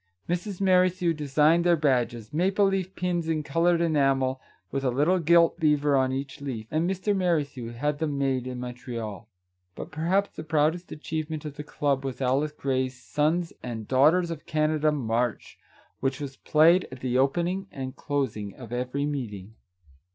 Mrs. Merrithew designed their badges, — maple leaf pins in coloured enamel, with a little gilt beaver on each leaf, — and Mr. Merrithew had them made in Montreal. But perhaps the proudest achievement of the club was Alice Grey's " Sons and Daughters of Canada March," which was played at the opening and closing of every meeting.